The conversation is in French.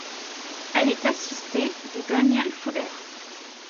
Elle est assistée de Daniel Foder.